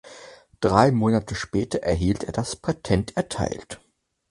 Drei Monate später erhielt er das Patent erteilt.